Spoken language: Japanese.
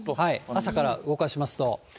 朝から動かしますと。